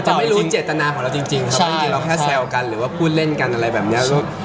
จะไม่รู้เจตนาของเราจริงว่าเราแค่แซลกันหรือว่าพูดเล่นกันอะไรแบบนี้